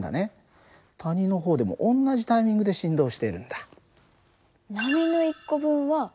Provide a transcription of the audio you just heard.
谷の方でも同じタイミングで振動しているんだ。